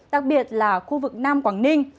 đặc biệt là khu vực nam quảng ninh